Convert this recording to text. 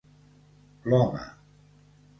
l'home